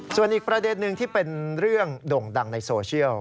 ส่วนอีกประเด็นหนึ่งที่เป็นเรื่องด่งดังในโซเชียล